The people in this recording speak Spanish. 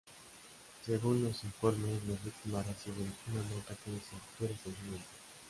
Según los informes, las víctimas reciben una nota que dice "¡Tú eres el siguiente!